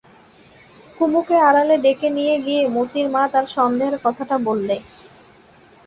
কুমুকে আড়ালে ডেকে নিয়ে গিয়ে মোতির মা তার সন্দেহের কথাটা বললে।